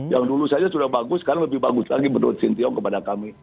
yang dulu saja sudah bagus sekarang lebih bagus lagi menurut sintiong kepada kami